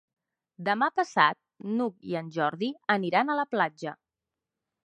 Demà passat n'Hug i en Jordi aniran a la platja.